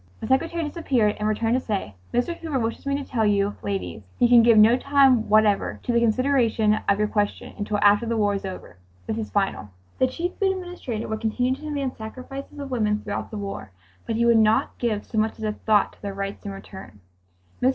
The secretary disappeared and returned to say, "Mr. Hoover wishes me to tell you ladies he can give no time whatever to the consideration of your question until after the war is over. This is final." The Chief Food Administrator would continue to demand sacrifices of women throughout the war, but he would not give so much as a thought to their rights in return. Mr.